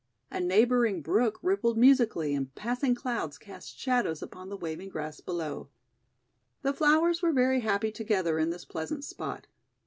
A neighbouring brook rippled musi cally, and passing clouds cast shadows upon the waving grass below. The flowers were very happy together in this pleasant spot.